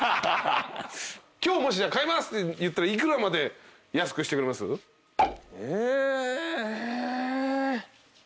今日もしじゃあ買いますって言ったら幾らまで安くしてくれます？え。